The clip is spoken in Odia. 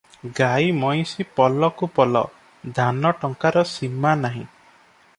ଗାଈ ମଇଁଷି ପଲକୁ ପଲ, ଧାନ ଟଙ୍କାର ସୀମା ନାହିଁ ।